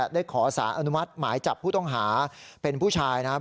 ขอสารอนุมัติหมายจับผู้ต้องหาเป็นผู้ชายนะครับ